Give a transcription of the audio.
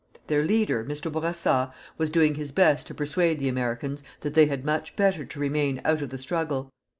Their leader, Mr. Bourassa, was doing his best to persuade the Americans that they had much better to remain out of the struggle.